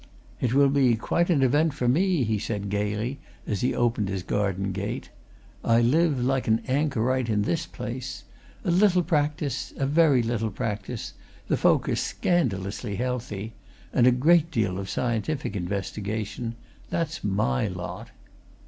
"It will be quite an event for me!" he said, gaily, as he opened his garden gate. "I live like an anchorite in this place. A little a very little practice the folk are scandalously healthy! and a great deal of scientific investigation that's my lot."